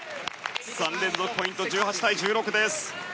３連続ポイントで１８対１６。